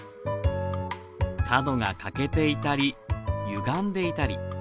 角が欠けていたりゆがんでいたり。